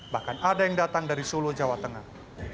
bahkan ada yang datang dari solo jawa tengah